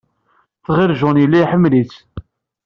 Tɣil John yella iḥemmel-itt.